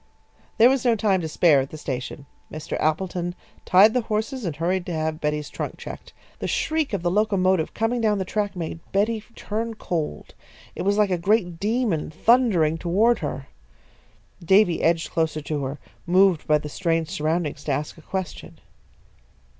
There was no time to spare at the station. Mr. Appleton tied the horses and hurried to have Betty's trunk checked. The shriek of the locomotive coming down the track made Betty turn cold. It was like a great demon thundering toward her. Davy edged closer to her, moved by the strange surroundings to ask a question.